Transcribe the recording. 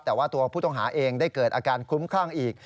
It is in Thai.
แต่ว่าตัวผู้ต้องหาเองได้เกิดอาการคลุ้มคลั่งอีก